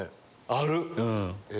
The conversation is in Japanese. ある！